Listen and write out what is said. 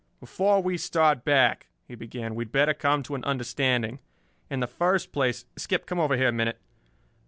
"Before we start back," he began, "we had better come to an understanding. In the first place Skip, come over here a minute."